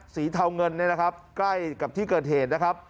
เทาเงินเนี่ยนะครับใกล้กับที่เกิดเหตุนะครับ